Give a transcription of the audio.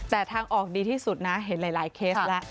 แต่ทางออกดีที่สุดนะเห็นหลายเคสแล้ว